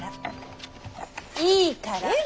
いいから。